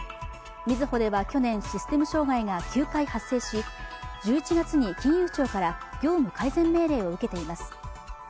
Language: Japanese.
みずほでは去年、システム障害が９回発生し１１月に金融庁から業務改善命令を受けています。